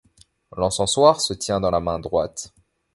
L'encensoir se tient dans la main droite.